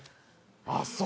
ああそう！